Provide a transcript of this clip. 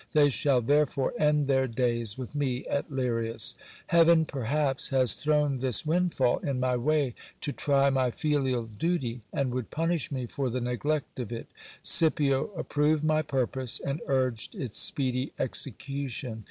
They shall therefore end their days with me at Lirias. Heaven, perhaps, has thrown this windfall in my way to try my filial duty, and would punish me for the neglect of it. Scipio approved my purpose, and urged its speedy execution.